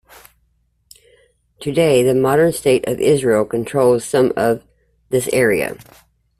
Today the modern State of Israel controls some of this area.